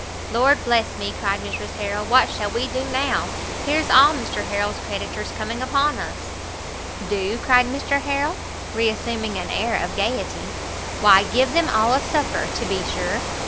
"Lord bless me," cried Mrs Harrel, "what shall we do now? here's all Mr Harrel's creditors coming upon us!" "Do?" cried Mr Harrel, re assuming an air of gaiety, "why give them all a supper, to be sure.